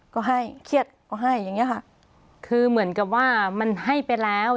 ก็ให้เครียดก็ให้อย่างเงี้ค่ะคือเหมือนกับว่ามันให้ไปแล้ว